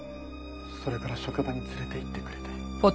「それから職場に連れていってくれて」